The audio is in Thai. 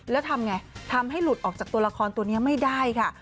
แล้วทำไงทำให้หลุดออกจากตัวละครตัวนี้ไม่ได้ค่ะ